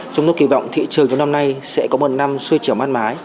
chúng tôi kỳ vọng thị trường trong năm nay sẽ có một năm xuôi trở mát mái